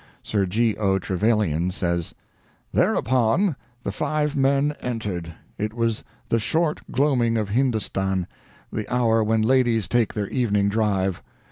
Sir G. O. Trevelyan says: "Thereupon the five men entered. It was the short gloaming of Hindostan the hour when ladies take their evening drive.